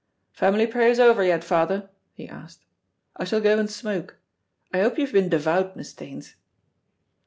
"Family prayers over yet, father?" he asked. "I shall go and smoke. I hope you've been devout, Miss Staines."